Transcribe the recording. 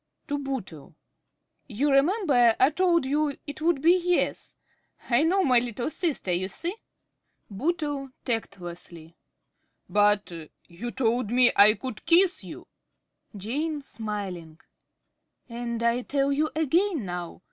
(To Bootle.) You remember I told you it would be "Yes." I know my little sister, you see. ~Bootle~ (tactlessly). But you told me I could kiss you! ~Jane~ (smiling). And I tell you again now.